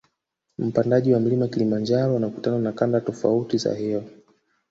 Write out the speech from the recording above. Mpandaji wa mlima kilimanjaro anakutana na kanda tofauti za hewa